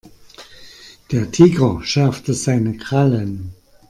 Der Tiger schärfte seine Krallen.